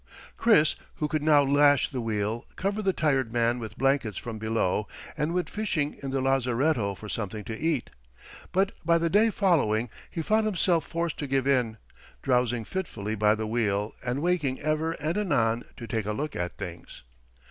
Chris, who could now lash the wheel, covered the tired man with blankets from below, and went fishing in the lazaretto for something to eat. But by the day following he found himself forced to give in, drowsing fitfully by the wheel and waking ever and anon to take a look at things.